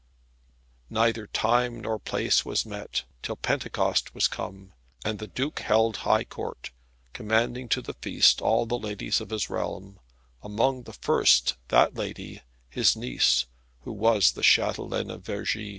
Neither time nor place was met, till Pentecost was come, and the Duke held high Court, commanding to the feast all the ladies of his realm, amongst the first that lady, his niece, who was the Chatelaine of Vergi.